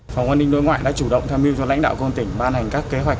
phòng quản lý nội ngoại đã chủ động tham mưu cho lãnh đạo công tỉnh ban hành các kế hoạch